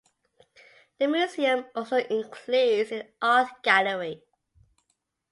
The museum also includes an art gallery.